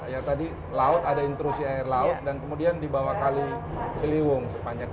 ya tadi ada intrusi air laut dan kemudian dibawah kali ciliwung